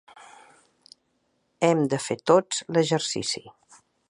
Hem de fer tots l’exercici.